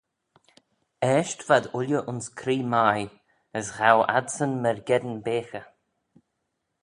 Eisht v'ad ooilley ayns cree mie, as ghow adsyn myrgeddin beaghey.